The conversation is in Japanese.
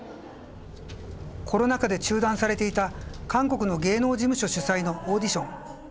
コロナ禍で中断されていた韓国の芸能事務所主催のオーディション。